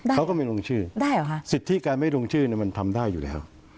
เขาก็ไม่ลงชื่อสิทธิการไม่ลงชื่อมันทำได้อยู่แล้ว